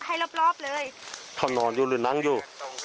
เออลองลงลองลงดู